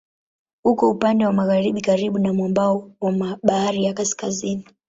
Uko upande wa magharibi karibu na mwambao wa Bahari ya Kaskazini.